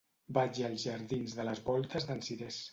Vaig als jardins de les Voltes d'en Cirés.